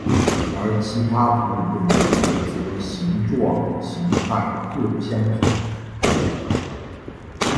而其他哺乳动物则形状形态各不相同。